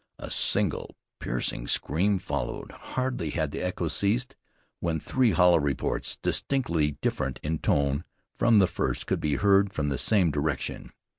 A single, piercing scream followed. Hardly had the echo ceased when three hollow reports, distinctly different in tone from the first, could be heard from the same direction.